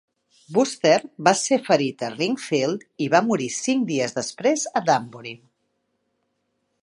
Wooster va ser ferit a Ridgefield i va morir cinc dies després a Danbury.